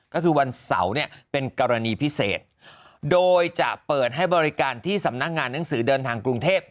ก็คือวันเสาร์เนี่ยเป็นกรณีพิเศษโดยจะเปิดให้บริการที่สำนักงานหนังสือเดินทางกรุงเทพ